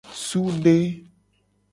Sude.